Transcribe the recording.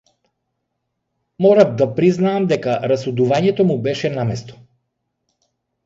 Морав да признаам дека расудувањето му беше на место.